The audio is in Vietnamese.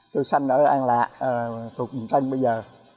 tôi sanh ở an lạc thuộc bình thanh bây giờ